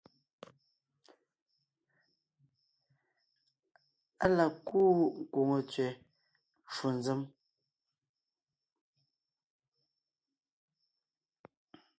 Á la kúu kwòŋo tsẅɛ ncwò nzěm,